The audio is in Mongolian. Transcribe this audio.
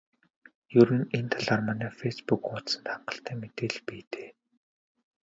Ер нь энэ талаар манай фейсбүүк хуудсанд хангалттай мэдээлэл бий дээ.